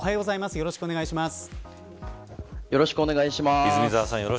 よろしくお願いします。